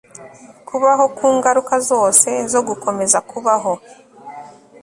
kubaho ku ngaruka zose zo gukomeza kubaho